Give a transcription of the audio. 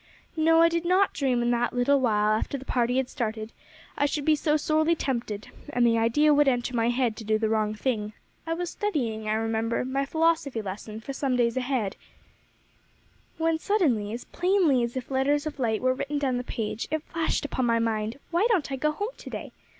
"No; I did not dream that in a little while after the party had started, I should be so sorely tempted, and the idea would enter my head to do the wrong thing. But so it was. I was studying, I remember, my philosophy lesson for some days ahead, when suddenly, as plainly as if letters of light were written down the page, it flashed upon my mind, 'Why don't I go home to day?